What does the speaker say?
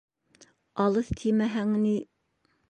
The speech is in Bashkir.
Алыҫ тимәһәң ни...